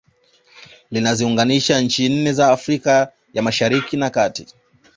Linaziunganisha nchi nne za Afrika ya Mashariki na Kati